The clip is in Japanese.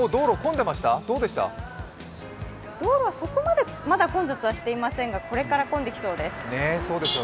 道路はそこまで、まだ混雑はしていませんが、これから混んできそうです。